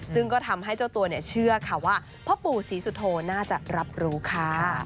ซึ่งก็ทำให้เจ้าตัวเชื่อค่ะว่าพ่อปู่ศรีสุโธน่าจะรับรู้ค่ะ